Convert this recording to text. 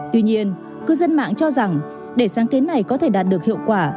tuy nhiên cư dân mạng cho rằng để sáng kiến này có thể đạt được hiệu quả